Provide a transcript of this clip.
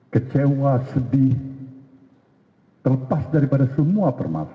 kecewa sedih terlepas daripada semua permasalahan